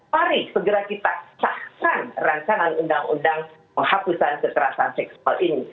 mari segera kita cahkan rancangan undang undang penghapusan kekerasan seksual ini